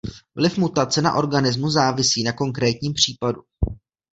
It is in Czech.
Vliv mutace na organismus závisí na konkrétním případu.